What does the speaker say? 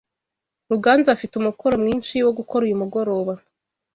Ruganzu afite umukoro mwinshi wo gukora uyu mugoroba.